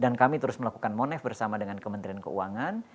dan kami terus melakukan monef bersama dengan kementerian keuangan